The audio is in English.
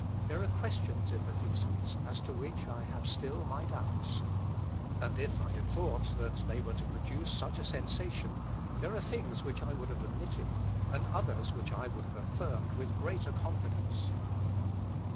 There are questions in the theses as to which I have still my doubts; and if I had thought that they were to produce such a sensation, there are things which I would have omitted, and others which I would have affirmed with greater confidence."